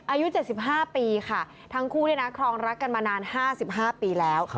อายุ๗๕ปีค่ะทั้งคู่เนี่ยนะครองรักกันมานาน๕๕ปีแล้ว